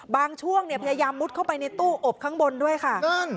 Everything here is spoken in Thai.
ช่วงเนี่ยพยายามมุดเข้าไปในตู้อบข้างบนด้วยค่ะ